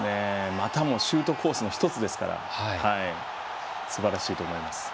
股もシュートコースの１つですからすばらしいと思います。